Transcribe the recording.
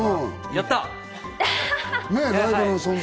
やった！